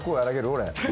俺。